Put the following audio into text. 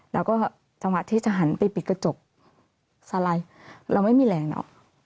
แล้วก็จังหวะที่จะหันไปปิดกระจกสไลด์เราไม่มีแรงเนอะ